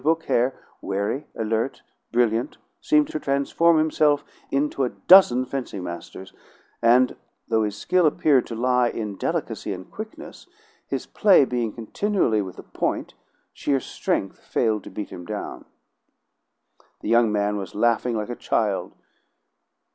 Beaucaire, wary, alert, brilliant, seemed to transform himself into a dozen fencing masters; and, though his skill appeared to lie in delicacy and quickness, his play being continually with the point, sheer strength failed to beat him down. The young man was laughing like a child.